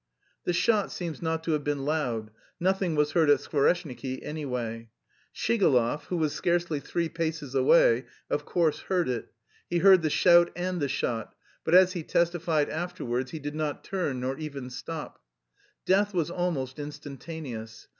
The shot seems not to have been loud; nothing was heard at Skvoreshniki, anyway. Shigalov, who was scarcely three paces away, of course heard it he heard the shout and the shot, but, as he testified afterwards, he did not turn nor even stop. Death was almost instantaneous.